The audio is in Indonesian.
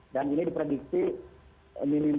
dan ini diprediksi